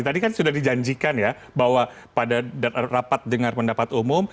tadi kan sudah dijanjikan ya bahwa pada rapat dengar pendapat umum